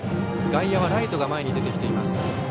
外野はライトが前に出てきています。